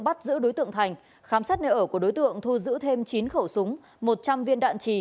bắt giữ đối tượng thành khám xét nơi ở của đối tượng thu giữ thêm chín khẩu súng một trăm linh viên đạn trì